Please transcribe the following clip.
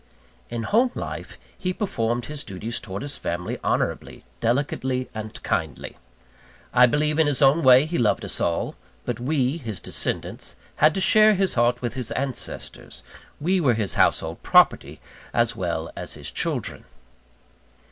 In home life he performed his duties towards his family honourably, delicately, and kindly. I believe in his own way he loved us all; but we, his descendants, had to share his heart with his ancestors we were his household property as well as his children.